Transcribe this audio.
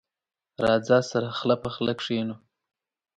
راځه، سره خله په خله کېنو.